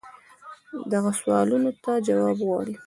دغو سوالونو ته جواب غواړي.